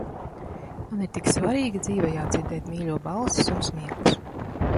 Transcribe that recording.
Man ir tik svarīgi dzīvajā dzirdēt mīļo balsis un smieklus.